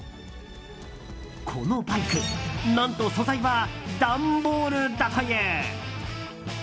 このバイク何と素材は段ボールだという。